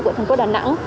của thành phố đà nẵng